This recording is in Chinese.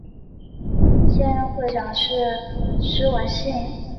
现任会长是施文信。